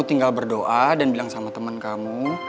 tinggal berdoa dan bilang sama temen kamu